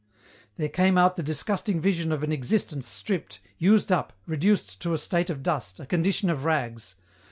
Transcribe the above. There came out the disgusting vision of an existence stripped, used up, reduced to a state of dust, a condition of rags.